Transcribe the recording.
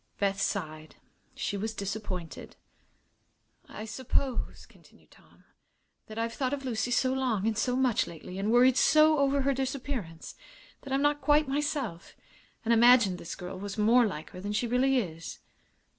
Beth sighed. She was disappointed. "I suppose," continued Tom, "that I've thought of Lucy so long and so much, lately, and worried so over her disappearance, that I'm not quite myself, and imagined this girl was more like her than she really is.